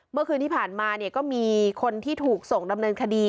เมื่อคืนที่ผ่านมาเนี่ยก็มีคนที่ถูกส่งดำเนินคดี